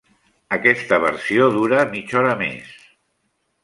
Aquesta versió dura mitja hora més.